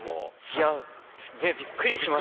いやねっびっくりしました。